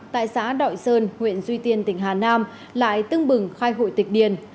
tại xã đội sơn huyện duy tiên tỉnh hà nam lại tưng bừng khai hội tịch điền